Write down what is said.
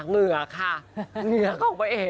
เหงื่อค่ะเหงื่อเข้าไปเอง